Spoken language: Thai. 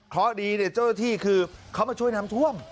เพราะดีเนี่ยเจ้าหน้าที่คือเขามาช่วยน้ำท่วม